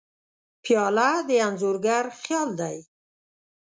پیاله د انځورګر خیال دی.